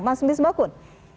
mas mbis bakun